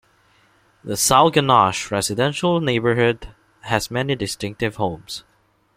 The Sauganash residential neighborhood has many distinctive homes.